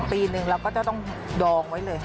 ปีหนึ่งเราก็จะต้องดองไว้เลย